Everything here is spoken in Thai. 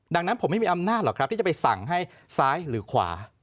ดังนั้นผมไม่มีอำนาจหรอกครับที่จะไปสั่งให้ซ้ายหรือขวา